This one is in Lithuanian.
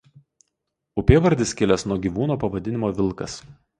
Upėvardis kilęs nuo gyvūno pavadinimo "vilkas".